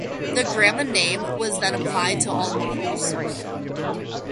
The Granada name was then applied to all models.